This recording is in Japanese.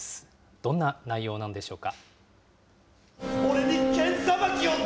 どんな内容なんでしょうか。